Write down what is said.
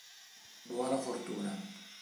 Buona fortuna